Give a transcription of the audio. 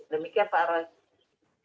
demikian pak andre